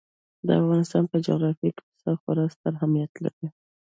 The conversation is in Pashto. د افغانستان په جغرافیه کې پسه خورا ستر اهمیت لري.